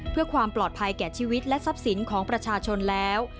เพื่อความปลอดภัยแก่ชีวิตและทรัพย์สินของประชาชนแล้ว